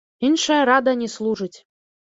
Іншая рада не служыць.